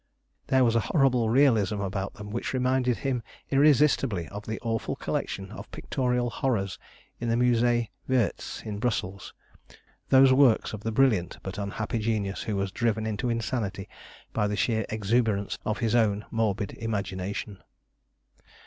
There was a horrible realism about them which reminded him irresistibly of the awful collection of pictorial horrors in the Musée Wiertz, in Brussels those works of the brilliant but unhappy genius who was driven into insanity by the sheer exuberance of his own morbid imagination.